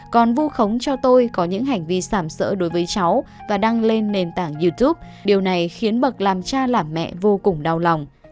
còn vu khống cho tôi có những hành vi sảm sỡ đối với cháu và đăng lên nền tảng youtube điều này khiến bậc làm cha làm mẹ vô cùng đau lòng